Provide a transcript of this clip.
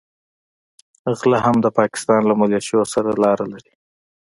غله هم د پاکستان له مليشو سره لاره لري.